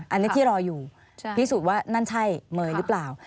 อันนี้ที่รออยู่พิสูจน์ว่านั่นใช่เมย์หรือเปล่า